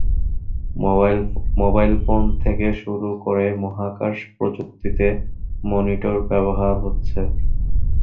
Mobile phone থেকে শুরু করে মহাকাশ প্রযুক্তিতে মনিটর ব্যবহার হচ্ছে।